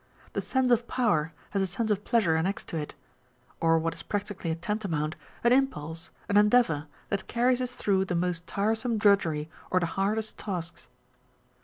The sense of power has a sense of pleasure annexed to it, or what is practically tantamount, an impulse, an endeavour, that carries us through the most tiresome drudgery or the hardest tasks.